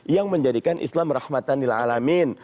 yang menjadikan islam rahmatan nila'alamin